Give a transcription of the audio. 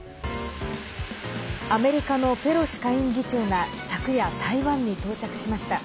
アメリカのペロシ下院議長が昨夜、台湾に到着しました。